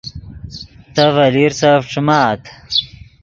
تے ڤے لیرسف ݯیمآت